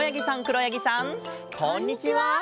こんにちは。